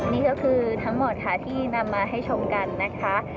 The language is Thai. นี่ก็คือทั้งหมดค่ะที่นำมาให้ชมกันนะคะ